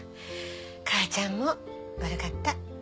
母ちゃんも悪かった。